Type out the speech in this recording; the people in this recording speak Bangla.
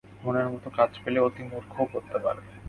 মনের মত কাজ পেলে অতি মূর্খও করতে পারে।